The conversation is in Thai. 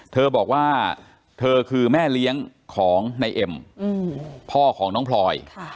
เธอบอกว่าเธอคือแม่เลี้ยงของนายเอ็มพ่อของน้องพลอย